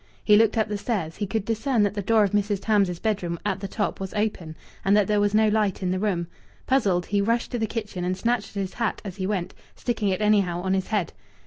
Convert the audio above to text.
He looked up the stairs. He could discern that the door of Mrs. Tams's bedroom, at the top, was open, and that there was no light in the room. Puzzled, he rushed to the kitchen, and snatched at his hat as he went, sticking it anyhow on his head.